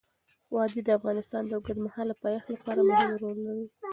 وادي د افغانستان د اوږدمهاله پایښت لپاره مهم رول لري.